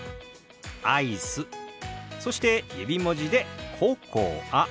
そして指文字で「ココア」。